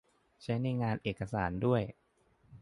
ใช้ในงานเอกสารด้วย